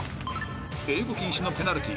［英語禁止のペナルティー